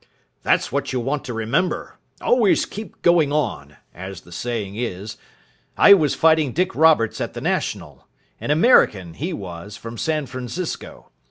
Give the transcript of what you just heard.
"That's what you want to remember. Always keep going on, as the saying is. I was fighting Dick Roberts at the National an American, he was, from San Francisco.